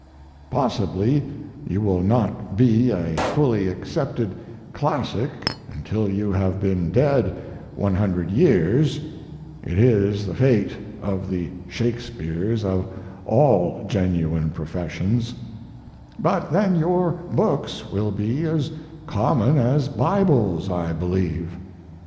Possibly you will not be a fully accepted classic until you have been dead one hundred years it is the fate of the Shakespeares of all genuine professions but then your books will be as common as Bibles, I believe.